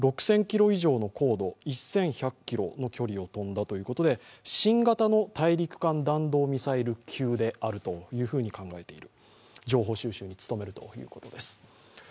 ６０００ｋｍ以上の高度、１１００ｋｍの距離を飛んだということで新型の大陸間弾道ミサイル級であると考えている、情報収集に努めるということです。